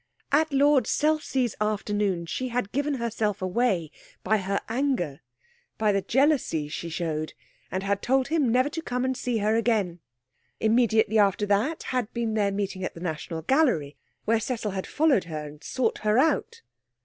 At Lord Selsey's afternoon she had given herself away by her anger, by the jealousy she showed, and had told him never to come and see her again. Immediately after that had been their meeting at the National Gallery, where Cecil had followed her and sought her out.